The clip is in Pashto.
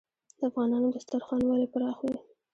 د افغانانو دسترخان ولې پراخ وي؟